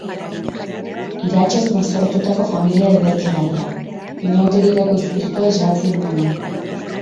Iratxoz mozorrotutako familia dibertigarria, inauterietako izpiritua islatzen duena.